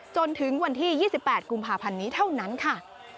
จนถึงวันที่๒๘กุมภาพันธ์นี้เท่านั้นค่ะ